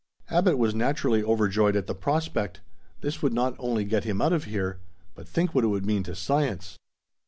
Abbot was naturally overjoyed at the prospect. This would not only get him out of here but think what it would mean to science!